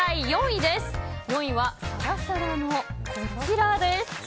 ４位は、サラサラのこちら。